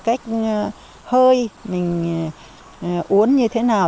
cách hơi mình uống như thế nào